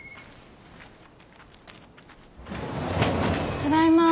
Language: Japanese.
ただいま。